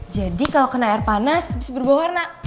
jadi kalau kena air panas bisa berubah warna